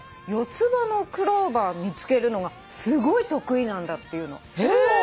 四つ葉のクローバー見つけるのがすごい得意なんだって言うの。